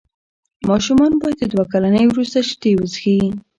ماشومان باید د دوه کلنۍ وروسته شیدې وڅښي.